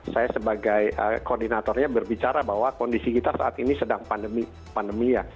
saya sebagai koordinatornya berbicara bahwa kondisi kita saat ini sedang pandemi ya